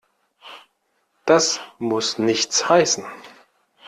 Das muss nichts heißen.